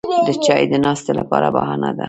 چای د ناستې لپاره بهانه ده